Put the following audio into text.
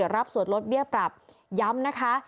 รับส่วนลดเบี้ยปรับย้ำนะคะ